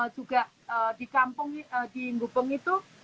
juga di kampung di gubeng itu